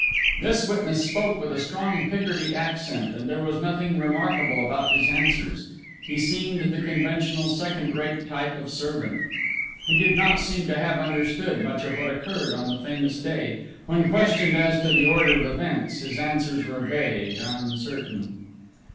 This witness spoke with a strong Picardy accent, and there was nothing remarkable about his answers: he seemed the conventional second rate type of servant. He did not seem to have understood much of what occurred on the famous day: when questioned as to the order of events, his answers were vague, uncertain.